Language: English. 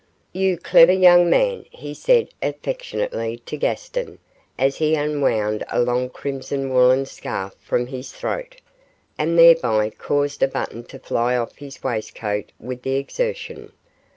'You clever young man,' he said, affectionately, to Gaston, as he unwound a long crimson woollen scarf from his throat, and thereby caused a button to fly off his waistcoat with the exertion.